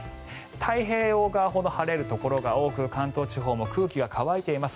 太平洋側ほど晴れるところが多く関東地方も空気が乾いています。